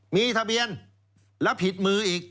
มีทะเบียนแล้วผิดมืออีก